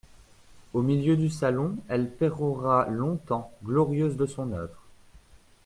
Au milieu du salon, elle pérora longtemps, glorieuse de son œuvre.